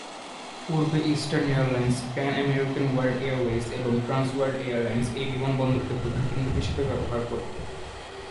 পূর্বে Eastern Airlines, Pan American World Airways এবং Trans World Airlines এই বিমানবন্দরকে প্রধান কেন্দ্র হিসেবে ব্যবহার করতো।